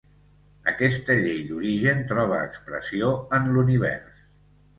Aquesta Llei d'origen troba expressió en l'univers.